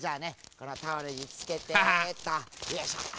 このタオルにつけてっとよいしょ。